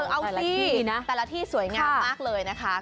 เอาสิแต่ละที่สวยงามมากเลยนะคะ